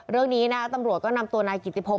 เรื่องนี้นะตำรวจก็นำตัวนายกิติพงศ